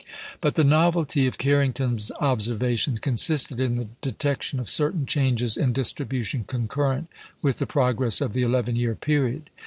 But the novelty of Carrington's observations consisted in the detection of certain changes in distribution concurrent with the progress of the eleven year period.